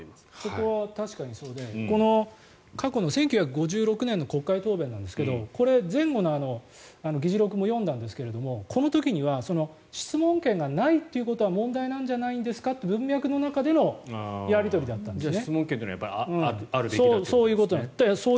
ここは確かにそうで過去の１９５６年の国会答弁ですが、前後の議事録も読んだんですけどもこの時には質問権がないということは問題なんじゃないんですか？という文脈の中でのやり取りだったんです。